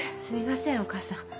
すみませんお母さん。